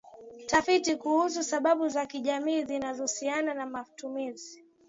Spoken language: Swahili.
Tafiti kuhusu sababu za kijamii zinazosiana na matumizi